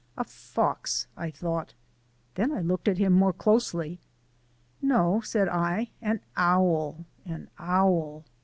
"A fox!" I thought. Then I looked at him more closely. "No," said I, "an owl, an owl!"